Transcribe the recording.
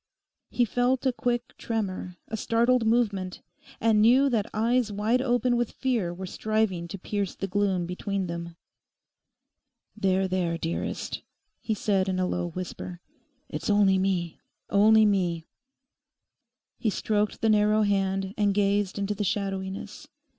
He felt a quick tremor, a startled movement, and knew that eyes wide open with fear were striving to pierce the gloom between them. 'There, there, dearest,' he said in a low whisper, 'it's only me, only me.' He stroked the narrow hand and gazed into the shadowiness.